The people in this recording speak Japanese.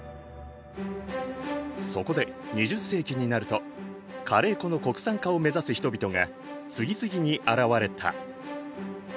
そこで２０世紀になるとカレー粉の国産化を目指す人々が次々に現れた。